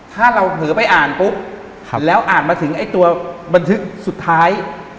ถ้าเราเผลอไปอ่านปุ๊บแล้วอ่านมาถึงไอ้ตัวบันทึกสุดท้าย